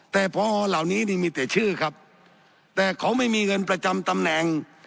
แต่พอเหล่านี้นี่มีแต่ชื่อครับแต่เขาไม่มีเงินประจำตำแหน่ง